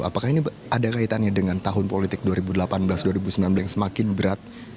apakah ini ada kaitannya dengan tahun politik dua ribu delapan belas dua ribu sembilan belas yang semakin berat